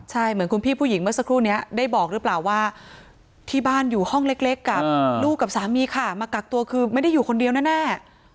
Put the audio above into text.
ใช่เหมือนคุณพี่ผู้หญิงเมื่อสักครู่นี้ได้บอกหรือเปล่าว่าที่บ้านอยู่ห้องเล็กกับลูกกับสามีค่ะมากักตัวคือไม่ได้อยู่คนเดียวแน่